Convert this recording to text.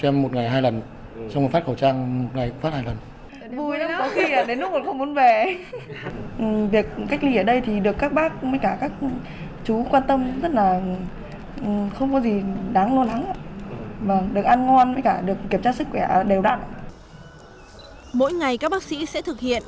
mỗi ngày các bác sĩ sẽ thực hiện